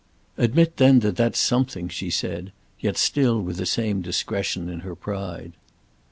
"Admit then that that's something," she said, yet still with the same discretion in her pride.